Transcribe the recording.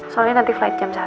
soalnya nanti flight jam satu